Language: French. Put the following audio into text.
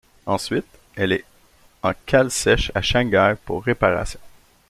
Ensuite, elle est en cale sèche à Shanghai pour réparations.